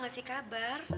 gak sih kabar